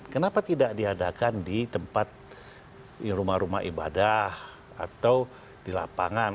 kenapa tidak diadakan di tempat rumah rumah ibadah atau di lapangan